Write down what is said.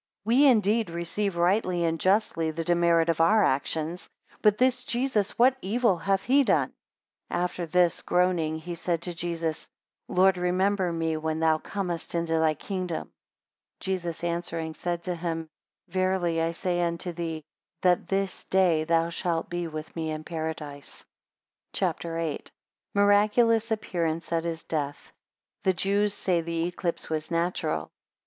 We indeed receive rightly and justly the demerit of our actions; but this Jesus, what evil hath he done. 12 After this, groaning, he said to Jesus, Lord, remember me when thou comest into thy kingdom. 13 Jesus answering, said to him, Verily I say unto thee, that this day thou shalt be with me in Paradise. CHAPTER VIII. 1 Miraculous appearance at his death. 10 The Jews say the eclipse was natural.